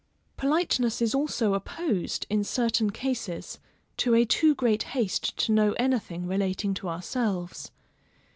Politeness is also opposed, in certain cases, to a too great haste to know anything relating to ourselves.